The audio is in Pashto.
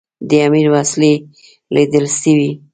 د امیر وسلې لیدل سوي.